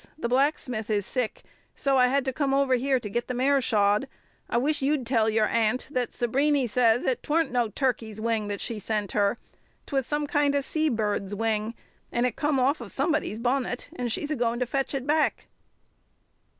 The blacksmith is sick, so I had to come over here to get the mare shod, and I wish you'd tell your aunt that Sabriny says 'twan't no turkey's wing that she sent her: 'twas some kind of a sea bird's wing, and it come off of somebody's bunnit, and she's a goin' to fetch it back!"